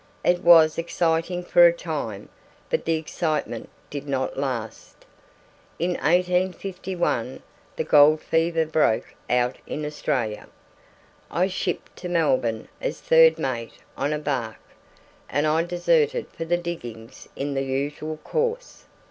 It was exciting for a time, but the excitement did not last. In 1851 the gold fever broke out in Australia. I shipped to Melbourne as third mate on a barque, and I deserted for the diggings in the usual course.